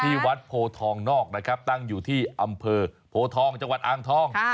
ที่วัดโพทองนอกนะครับตั้งอยู่ที่อำเภอโพทองจังหวัดอ่างทอง